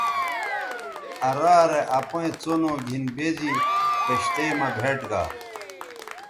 آ رارے اپئیں څنو گِھن بے زی کشتئ مہ بھئیٹ گا